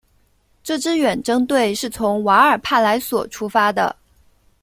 这支远征队是从瓦尔帕莱索出发的。